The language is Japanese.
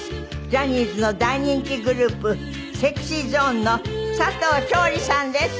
ジャニーズの大人気グループＳｅｘｙＺｏｎｅの佐藤勝利さんです。